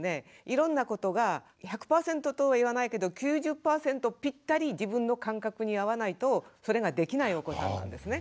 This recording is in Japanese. いろんなことが１００％とは言わないけど９０％ぴったり自分の感覚に合わないとそれができないお子さんなんですね。